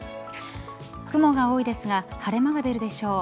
雲が多いですが晴れ間が出るでしょう。